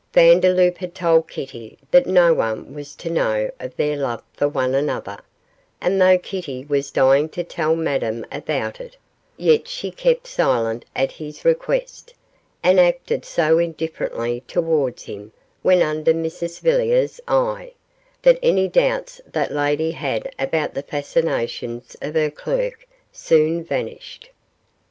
Vandeloup had told Kitty that no one was to know of their love for one another, and though Kitty was dying to tell Madame about it, yet she kept silent at his request, and acted so indifferently towards him when under Mrs Villiers' eye, that any doubts that lady had about the fascinations of her clerk soon vanished.